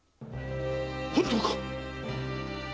本当かっ⁉